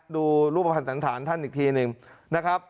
ดูรูปภัณฑ์ฐานท่านอีกทีหนึ่ง